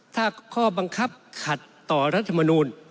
ถ้าข้อบังคับขัดต่อรัฐมนูล